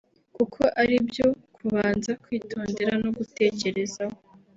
kuko ari ibyo kubanza kwitondera no gutekerezaho